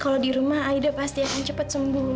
kalau di rumah aida pasti akan cepat sembuh